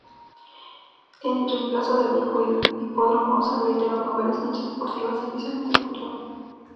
En reemplazo del viejo hipódromo, se habilitaron varias canchas deportivas, especialmente de fútbol.